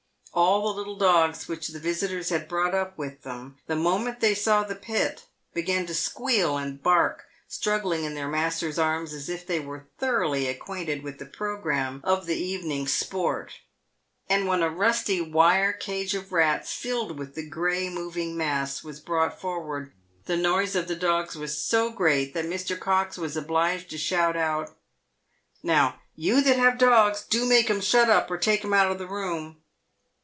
All the little dogs which the visitors had brought up with them, the moment they saw the pit, began to squeal and bark, struggling in their masters' arms as if they were tho roughly acquainted with the programme of the evening's sport ; and when a rusty wire cage of rats, filled with the grey moving mass, was brought forward, the noise of the dogs was so great that Mr. Cox was obliged to shout out, " Now, you that have dogs, do make 'em shut up, or take 'em out of the room."